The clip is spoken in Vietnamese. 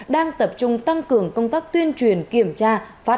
đang tập trung tăng cường công tác tuyên truyền kiểm tra